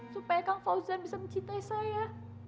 supaya kang fauzan bisa mencintai saya